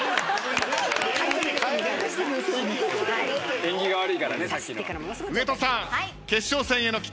縁起が悪いからねさっきのは。